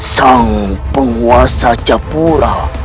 sang penguasa capura